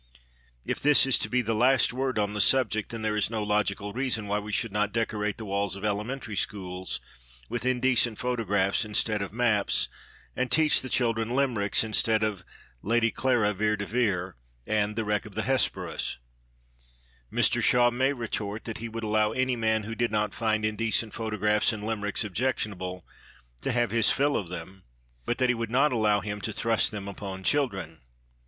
If this is to be the last word on the subject, then there is no logical reason why we should not decorate the walls of elementary schools with indecent photographs instead of maps, and teach the children limericks instead of Lady Clara Vere de Vere and The Wreck of the Hesperus. Mr Shaw may retort that he would allow any man who did not find indecent photographs and limericks "objectionable" to have his fill of them, but that he would not allow him to thrust them upon children.